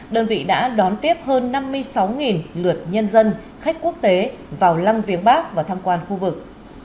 đơn vị đã đón tiếp hơn năm mươi sáu lượt nhân dân khách quốc tế vào lăng viếng bắc và tham quan khu vực